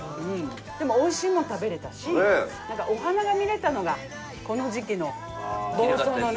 でも美味しいもの食べれたしなんかお花が見れたのがこの時期の房総のね